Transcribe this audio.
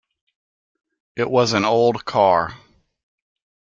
It was an old car.